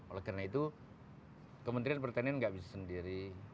oleh karena itu kementerian pertanian nggak bisa sendiri